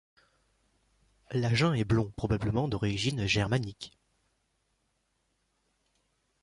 Lajin est blond, probablement d'origine germanique.